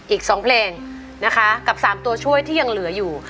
อีก๒เพลงนะคะกับ๓ตัวช่วยที่ยังเหลืออยู่